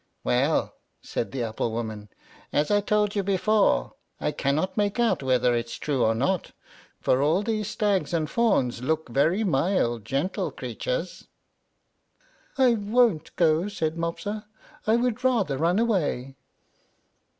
"Well," said the apple woman, "as I told you before, I cannot make out whether it's true or not, for all these stags and fawns look very mild, gentle creatures." "I won't go," said Mopsa; "I would rather run away."